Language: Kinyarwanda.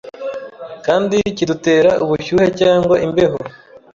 kandi kidutera ubushyuhe cyangwa imbeho